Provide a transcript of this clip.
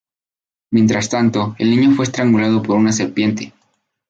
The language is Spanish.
Mientras tanto, el niño fue estrangulado por una serpiente.